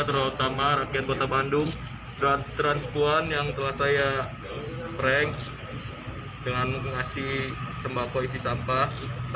terutama rakyat kota bandung transkuan yang telah saya prank dengan ngasih sembako isi sampah